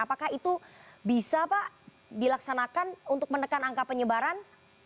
apakah itu bisa pak dilaksanakan untuk menekan angka penyebaran